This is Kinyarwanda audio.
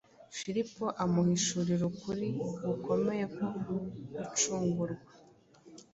Filipo amuhishurira ukuri gukomeye ko gucungurwa.